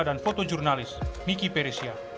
dan fotojurnalis miki perisya